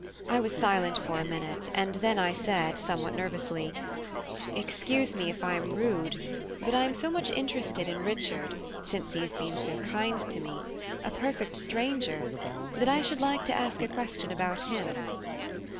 I was silent for a minute, and then I said, somewhat nervously: "Excuse me if I am rude; but I am so much interested in Richard, since he has been so kind to me, a perfect stranger, that I should like to ask a question about him."